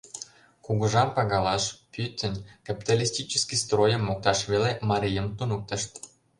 Кугыжам пагалаш, пӱтынь «капиталистический стройым» мокташ веле марийым туныктышт.